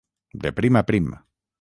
De prim a prim.